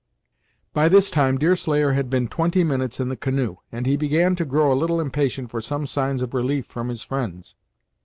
By this time Deerslayer had been twenty minutes in the canoe, and he began to grow a little impatient for some signs of relief from his friends.